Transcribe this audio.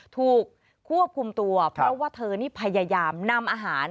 ถูกควบคุมตัวเพราะว่าเธอนี่พยายามนำอาหาร